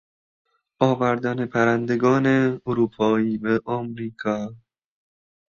آوردن پرندگان اروپایی به امریکا